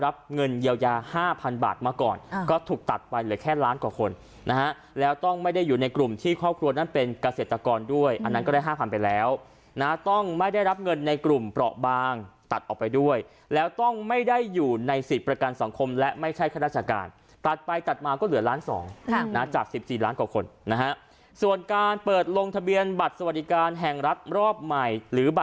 รับเงินเยา๕๐๐๐บาทมาก่อนก็ถูกตัดไปหลายแค่ล้านกว่าคนนะฮะแล้วต้องไม่ได้อยู่ในกลุ่มที่ครอบครัวนั้นเป็นเกษตรกรด้วยอันนั้นก็ได้๕๐๐๐ไปแล้วนะต้องไม่ได้รับเงินในกลุ่มประบางตัดออกไปด้วยแล้วต้องไม่ได้อยู่ในสิทธิ์ประกันสังคมและไม่ใช่แค่ราชการตัดไปตัดมาก็เหลือล้านสองนะจาก๑๔ล้านกว่าคนนะ